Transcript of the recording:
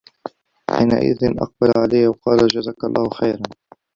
فَحِينَئِذٍ أَقْبَلَ عَلَيَّ وَقَالَ جَزَاك اللَّهُ خَيْرًا